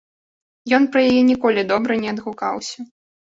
Ён пра яе ніколі добра не адгукаўся.